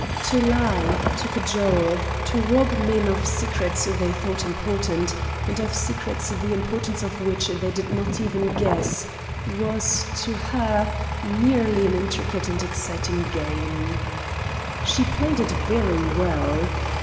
To lie, to cajole, to rob men of secrets they thought important, and of secrets the importance of which they did not even guess, was to her merely an intricate and exciting game. She played it very well.